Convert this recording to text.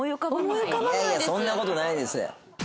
いやいやそんな事ないです！